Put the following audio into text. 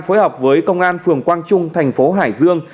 phối hợp với công an phường quang trung thành phố hải dương